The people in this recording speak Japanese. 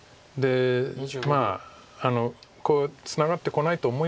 まあツナがってこないと思いますけど。